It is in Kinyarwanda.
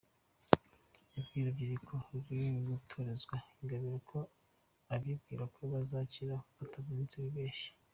Yabwiye urubyiruko ruri gutorezwa i Gabiro ko abibwira ko bazakira batavunitse bibeshya.